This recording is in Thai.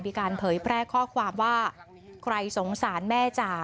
เผยแพร่ข้อความว่าใครสงสารแม่จ๋า